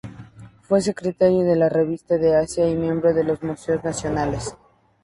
Fue secretario de la Revista de Asia y miembro de los Museos Nacionales.